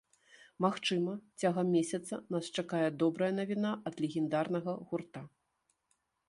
Магчыма, цягам месяца нас чакае добрая навіна ад легендарнага гурта.